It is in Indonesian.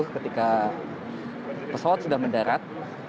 ketika pesawat sudah mendarat